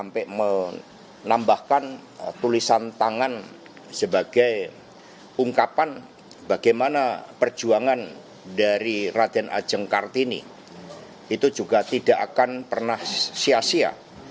sampai menambahkan tulisan tangan sebagai ungkapan bagaimana perjuangan dari raden ajeng kartini itu juga tidak akan pernah sia sia